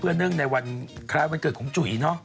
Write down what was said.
เนื่องในวันคล้ายวันเกิดของจุ๋ยเนอะ